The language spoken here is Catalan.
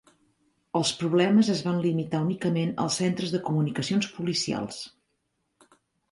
Els problemes es van limitar únicament als centres de comunicacions policials.